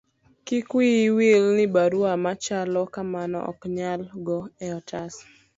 kik wiyi wil ni barua machalo kamano ok nyal go e otas